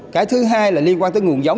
cái thứ hai là liên quan tới nguồn giống